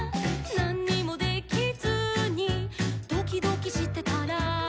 「なんにもできずにドキドキしてたら」